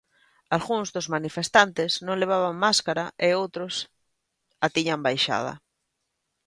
Algúns dos manifestantes non levaban máscara e outros a tiñan baixada.